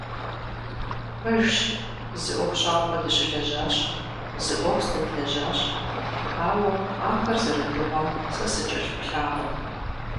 Пэжщ, зы ӀуэхущӀапӀэ дыщылэжьащ, зы Ӏуэху здэдлэжьащ, ауэ ахэр зэрыдыгъуэм сэ сыкӀэлъыплъакъым.